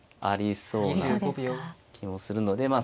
ありそうな気もするので